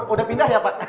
udah pindah ya pak